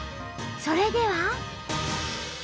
それでは。